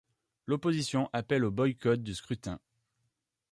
L'opposition appelle au boycott du scrutin.